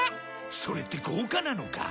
それって豪華なのか？